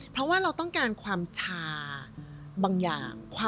เพราะว่าเราต้องการความชาบางอย่าง